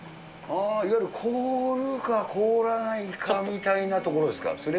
いわゆる凍るか凍らないかみたいなところですか。